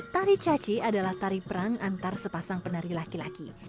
tari caci adalah tari perang antar sepasang penari laki laki